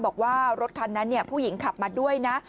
บอกว่ารถคันนั้นผู้หญิงขับมาด้วยนะ